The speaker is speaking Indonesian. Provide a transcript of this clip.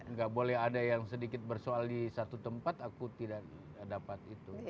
nggak boleh ada yang sedikit bersoal di satu tempat aku tidak dapat itu